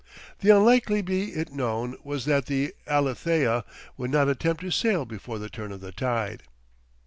The unlikely, be it known, was that the Alethea would not attempt to sail before the turn of the tide.